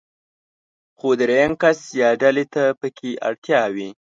خو درېم کس يا ډلې ته پکې اړتيا وي.